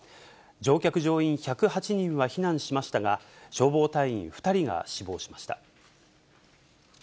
乗客・乗員１０８人は避難しましたが、消防隊員２人が死亡しました。